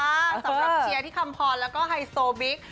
สำหรับเชียร์ธิคัมพรและก็ไฮโซบิ๊ก